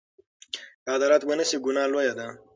که عدالت ونشي، ګناه لویه ده.